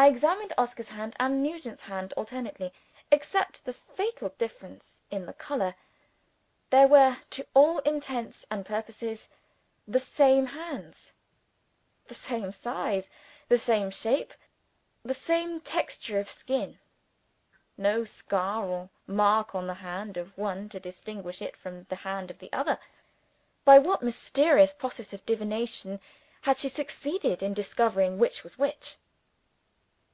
I examined Oscar's hand and Nugent's hand alternately. Except the fatal difference in the color, they were, to all intents and purposes, the same hands the same size, the same shape, the same texture of skin; no scar or mark on the hand of one to distinguish it from the hand of the other. By what mysterious process of divination had she succeeded in discovering which was which?